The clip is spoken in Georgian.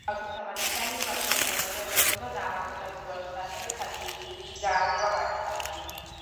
თუმცა ფადიშაჰი ლაშქრობიდან მალევე დაბრუნდა, დაამარცხა თავისი ვაჟის არმია და სალიმი გააძევა პაკისტანში.